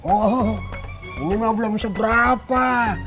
oh ini mah belum seberapa